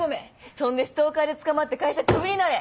そんでストーカーで捕まって会社クビになれ！